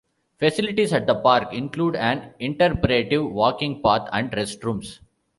Facilities at the park include an interpretive walking path, and restrooms.